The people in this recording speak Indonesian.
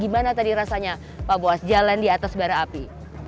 gimana tadi rasanya pak buas jalan di atas bara api